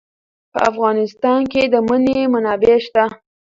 په افغانستان کې د منی منابع شته.